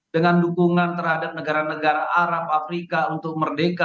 dengan dukungan terhadap negara negara arab afrika untuk merdeka